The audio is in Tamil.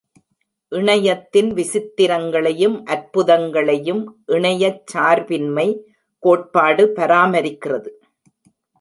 இணையத்தின் விசித்திரங்களையும் அற்புதங்களையும் இணையச் சார்பின்மை கோட்பாடு பராமரிக்கிறது.